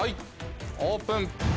オープン。